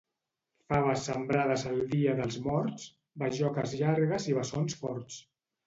Faves sembrades el dia dels morts, bajoques llargues i bessons forts.